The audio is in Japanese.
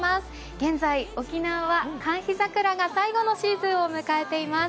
現在、沖縄は寒緋桜が最後のシーズン迎えています。